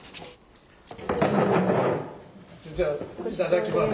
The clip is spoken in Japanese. じゃあいただきます。